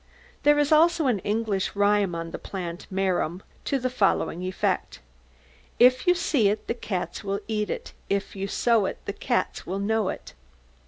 There is also an English rhyme on the plant marum to the following effect: If you see it, The cats will eat it; If you sow it, The cats will know it.